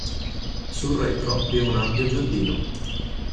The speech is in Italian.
Sul retro vi è un ampio giardino.